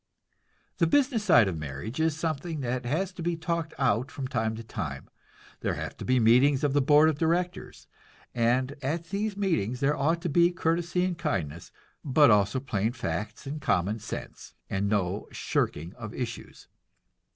The business side of marriage is something that has to be talked out from time to time; there have to be meetings of the board of directors, and at these meetings there ought to be courtesy and kindness, but also plain facts and common sense, and no shirking of issues.